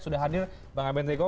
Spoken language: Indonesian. sudah hadir bang abt kok